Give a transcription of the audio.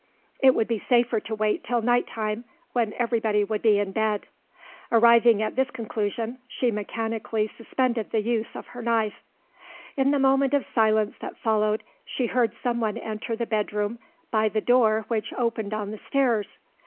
It would be safer to wait till night time, when everybody would be in bed. Arriving at this conclusion, she mechanically suspended the use of her knife. In the moment of silence that followed, she heard someone enter the bedroom by the door which opened on the stairs.